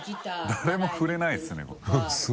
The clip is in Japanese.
誰も触れないですね